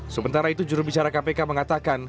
sementara itu jurubicara kpk mengatakan